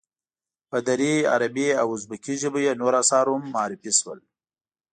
په دري، عربي او ازبکي ژبو یې نور آثار هم معرفی شول.